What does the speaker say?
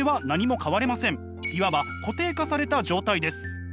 いわば固定化された状態です。